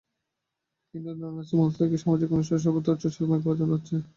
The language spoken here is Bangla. কিন্তু রাজনৈতিক মঞ্চ থেকে সামাজিক অনুষ্ঠান সর্বত্র উচ্চস্বরে মাইক বাজানো হচ্ছে।